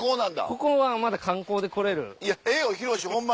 ここはまだ観光で来れる。